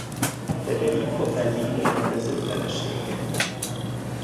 Federico Fellini rendező felesége.